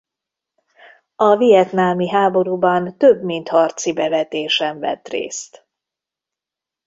A vietnámi háborúban több mint harci bevetésen vett részt.